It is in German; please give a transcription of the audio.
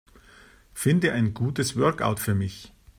Finde ein gutes Workout für mich.